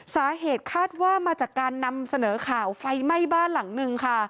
สาเหตุคาดว่ามาจากการนำเสนอข่าวไฟไหม้บ้านหลังนึงค่ะ